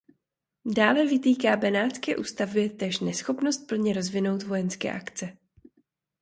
Dále vytýká benátské ústavě též neschopnost plně rozvinout vojenské akce.